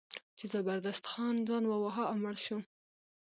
چې زبردست خان ځان وواهه او مړ شو.